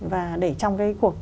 và để trong cái cuộc